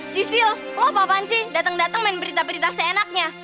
sisil lo apaan sih dateng dateng main berita berita seenaknya